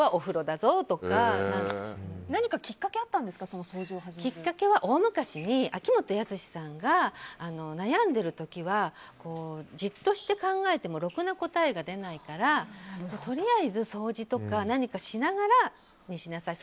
何かきっかけはあったんですかきっかけは、大昔に秋元康さんが、悩んでる時はじっとして考えてもろくな答えが出ないからとりあえず掃除とか何かしながらにしなさい。